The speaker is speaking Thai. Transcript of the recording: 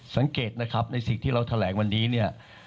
สังเกตนะครับในสิ่งที่เราแถลงวันนี้เนี่ย